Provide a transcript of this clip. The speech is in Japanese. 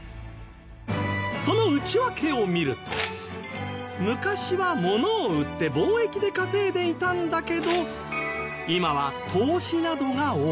その内訳を見ると昔は物を売って貿易で稼いでいたんだけど今は投資などが多い